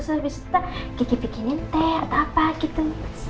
service kita gigi bikinin teh atau apa gitu